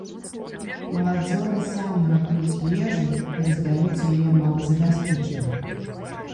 Маладзёны самі гатуюць ежу і раздаюць яе малазабяспечаным.